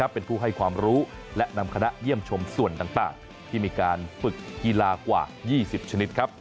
เป็นผู้ให้ความรู้และนำคณะเยี่ยมชมส่วนต่างที่มีการฝึกกีฬากว่า๒๐ชนิดครับ